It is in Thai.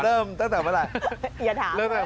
เริ่มตั้งแต่เมื่อไหร่